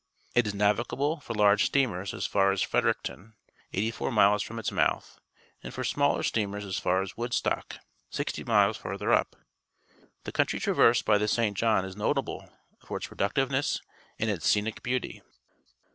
It is naAdgable for large steamers asiar as Fredericton, ei ghtv four miles from ijts mouth, and for smaller steamers as far a^ JVoodstock, sixt}' miles farther w^ The country traversed by the St. John is notable for its productiveness and its scenic beauty.